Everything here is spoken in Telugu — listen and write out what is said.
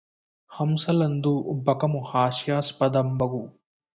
హంసలందు బకము హాస్యాస్పదంబగు